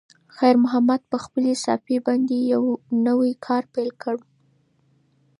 خیر محمد په خپلې صافې باندې یو نوی کار پیل کړ.